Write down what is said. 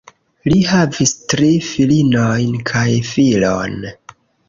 Li havis tri filinojn kaj filon.